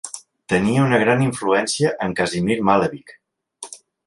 Tenia una gran influència en Kazimir Malevich.